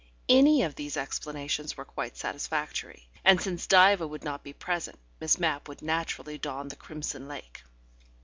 Any of these explanations were quite satisfactory, and since Diva would not be present, Miss Mapp would naturally don the crimson lake.